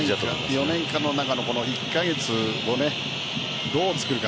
４年間の中の１カ月をどう作るか